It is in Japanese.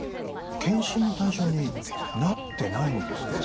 検診の対象になってないんですね。